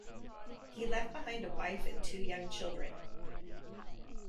He left behind a wife and two young children.